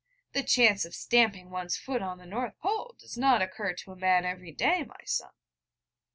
The chance of stamping one's foot on the North Pole does not occur to a man every day, my son.'